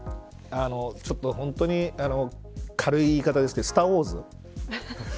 ちょっと本当に軽い言い方ですけどスター・ウォーズ。